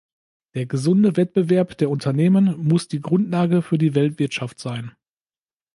Der gesunde Wettbewerb der Unternehmen muss die Grundlage für die Weltwirtschaft sein.